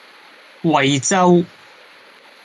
惠州